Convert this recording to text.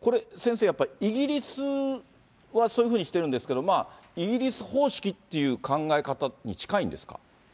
これ、先生、やっぱりイギリスはそういうふうにしてるんですけど、イギリス方式っていう考え方に近いんですか。